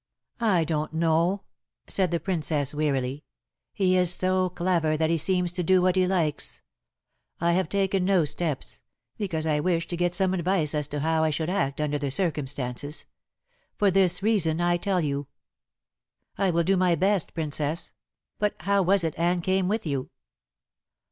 "I don't know," said the Princess wearily; "he is so clever that he seems to do what he likes. I have taken no steps, because I wished to get some advice as to how I should act under the circumstances. For this reason I tell you." "I will do my best, Princess. But how was it Anne came with you?"